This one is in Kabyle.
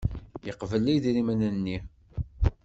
Yeqbel idrimen-nni.